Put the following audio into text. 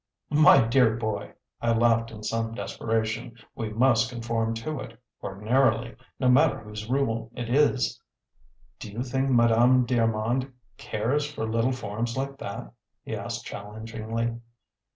"My dear boy," I laughed in some desperation, "we must conform to it, ordinarily, no matter whose rule it is." "Do you think Madame d'Armand cares for little forms like that?" he asked challengingly.